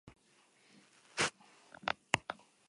El tercer y cuarto encuentro se disputa el en otro pabellón.